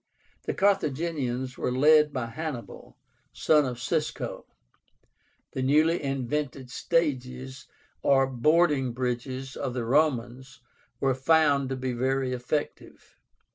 The Carthaginians were led by Hannibal, son of Gisco. The newly invented stages or boarding bridges of the Romans were found to be very effective.